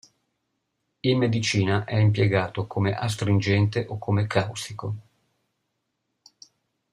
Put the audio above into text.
In medicina è impiegato come astringente o come caustico.